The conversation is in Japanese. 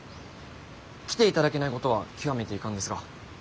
来ていただけないことは極めて遺憾ですが。